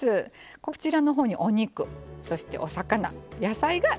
こちらの方にお肉そしてお魚野菜が３種類あります。